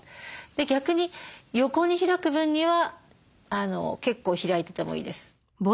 逆に横に開く分には結構開いててもいいです。